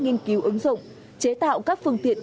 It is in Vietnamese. nghiên cứu ứng dụng chế tạo các phương tiện